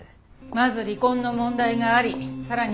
まず離婚の問題がありさらに